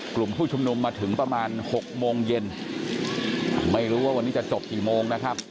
กลุ่มผู้ชุมนุมมาถึงประมาณหกโมงเย็นไม่รู้ว่าวันนี้จะจบกี่โมงนะครับ